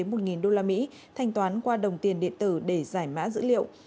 một usd thanh toán qua đồng tiền điện tử để giải mã dữ liệu